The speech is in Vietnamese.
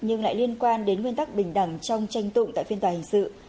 nhưng lại liên quan đến nguyên tắc bình đẳng trong tranh tụng tại phiên tòa hình sự